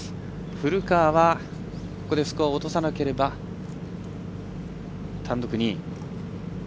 古川はここでスコアを落とさなければ単独２位。